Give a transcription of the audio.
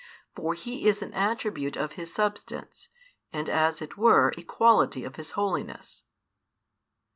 For He is an attribute of His Substance, and as it were a quality of His holiness.